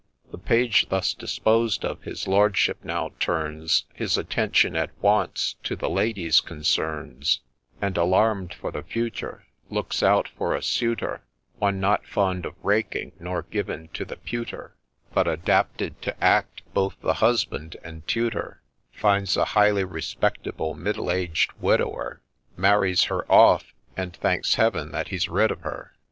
The Page thus disposed of, his Lordship now turns His attention at once to the Lady's concerns ; And, alarm'd for the future, Looks out for a suitor, One not fond of raking, nor giv'n to ' the pewter,' But adapted to act both the husband and tutor — Finds a highly respectable, middle aged, widower, Marries her off, and thanks Heaven that he 's rid of her.